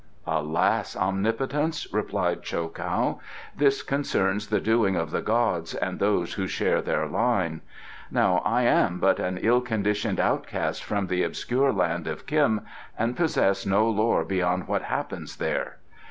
"Alas, omnipotence," replied Cho kow, "this concerns the doing of the gods and those who share their line. Now I am but an ill conditioned outcast from the obscure land of Khim, and possess no lore beyond what happens there.